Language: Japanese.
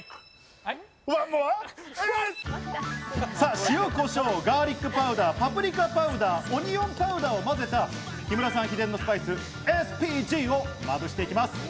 塩こしょう、ガーリックパウダー、パプリカパウダー、オニオンパウダーを混ぜた木村さん秘伝のスパイス・ＳＰＧをまぶしていきます。